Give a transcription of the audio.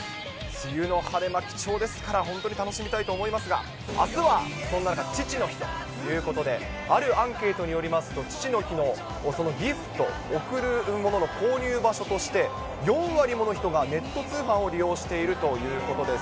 梅雨の晴れ間、貴重ですから、本当に楽しみたいと思いますが、あすはそんな中、父の日ということで、あるアンケートによりますと、父の日のギフト、贈るものの購入場所として、４割もの人がネット通販を利用しているということです。